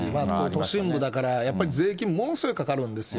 都心部だから、やっぱり税金ものすごいかかるんですよ。